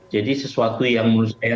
jadi sesuatu yang menurut saya